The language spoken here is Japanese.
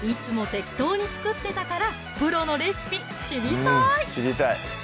適当に作ってたからプロのレシピ知りたい！